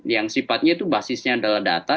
yang sifatnya itu basisnya adalah data